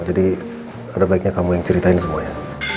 jadi ada baiknya kamu yang ceritain semuanya